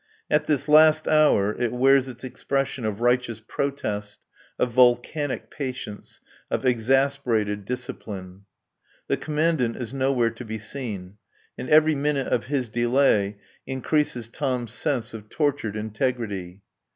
At this last hour it wears its expression of righteous protest, of volcanic patience, of exasperated discipline. The Commandant is nowhere to be seen. And every minute of his delay increases Tom's sense of tortured integrity.